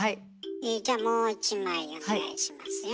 じゃあもう一枚お願いしますよ。